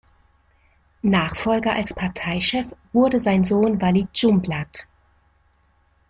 Nachfolger als Parteichef wurde sein Sohn Walid Dschumblat.